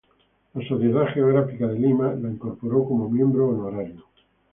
La Sociedad Geográfica de Lima la incorporó como miembro honorario.